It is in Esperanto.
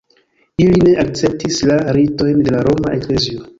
Ili ne akceptis la ritojn de la Roma eklezio.